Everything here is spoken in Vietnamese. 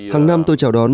hằng năm tôi chào đón